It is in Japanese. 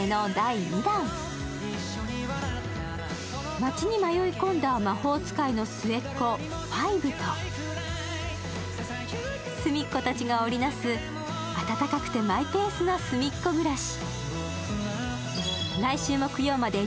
街に迷い込んだ魔法使いの末っ子、ふぁいぶとすみっコたちが織り成す温かくてマイペースな「すみっコぐらし」。